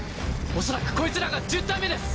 おそらくこいつらが１０体目です。